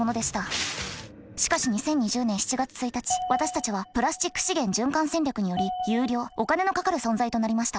しかし２０２０年７月１日私たちはプラスチック資源循環戦略により有料お金のかかる存在となりました。